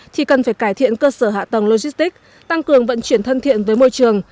thì cần phải cải thiện cơ sở hạ tầng logistics tăng cường vận chuyển thân thiện với môi trường